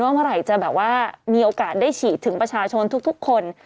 เมื่อไหร่จะแบบว่ามีโอกาสได้ฉีดถึงประชาชนทุกคน